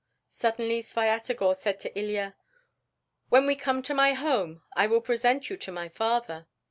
Suddenly Svyatogor said to Ilya, "When we come to my home, I will present you to my father.